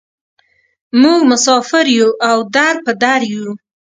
موږ مسافر یوو او در په در یوو.